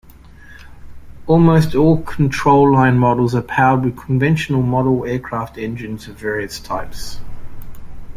Almost all control-line models are powered with conventional model aircraft engines of various types.